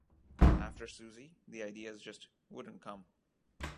After Suzie, the ideas just wouldn't come.